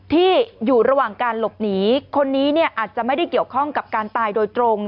ที่อยู่ระหว่างการหลบหนีคนนี้เนี่ยอาจจะไม่ได้เกี่ยวข้องกับการตายโดยตรง